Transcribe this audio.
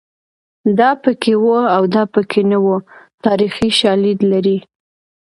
دا پکې وو او دا پکې نه وو تاریخي شالید لري